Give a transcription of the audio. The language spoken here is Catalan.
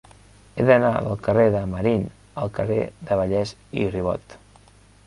He d'anar del carrer de Marín al carrer de Vallès i Ribot.